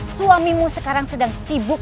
suamimu sekarang sedang sibuk